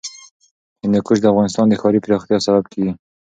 هندوکش د افغانستان د ښاري پراختیا سبب کېږي.